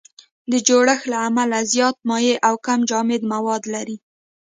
د جوړښت له امله زیات مایع او کم جامد مواد لري.